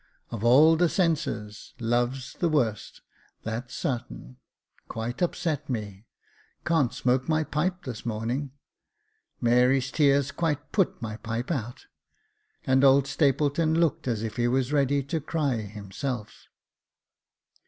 Of all the senses love's the worst, that's sartain — quite upset me, can't smoke my pipe this morning — Mary's tears quite put my pipe out "— and old Stapleton looked as if he was ready to cry himself.